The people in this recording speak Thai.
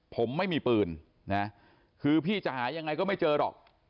ผมไม่มีปืนนะคือพี่จะหายังไงก็ไม่เจอหรอก